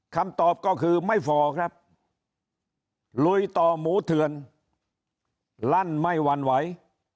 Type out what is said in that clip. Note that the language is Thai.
คำตอบก็คือไม่พอครับลุยต่อหมูเถื่อนลั่นไม่หวั่นไหว